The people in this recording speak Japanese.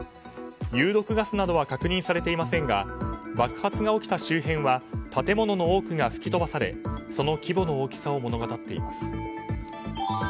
有毒ガスなどは確認されていませんが爆発が起きた周辺は建物の多くが吹き飛ばされその規模の大きさを物語っています。